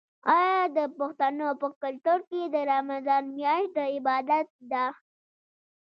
آیا د پښتنو په کلتور کې د رمضان میاشت د عبادت نه ده؟